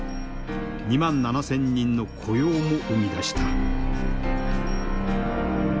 ２万７，０００人の雇用も生み出した。